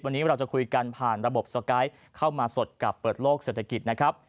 วันนี้เราจะคุยกันผ่านระบบสไกด์เข้ามาสดกับเปิดโลกเศรษฐกิจนะครับ